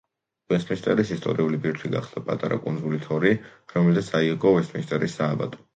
ვესტმინსტერის ისტორიული ბირთვი გახდა პატარა კუნძული თორი, რომელზე აიგო ვესტმინსტერის სააბატო.